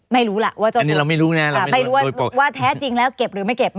ไม่รู้แหละว่าแท้จริงแล้วเก็บหรือไม่เก็บ